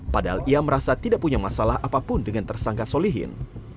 padahal ia merasa tidak punya masalah apapun dengan tersangka solihin